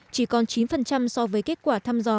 chỉ còn chín so với kết quả thăm dò